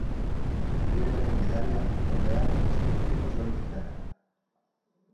Kamioiaren gidaria, ordea, istriputik osorik irten da.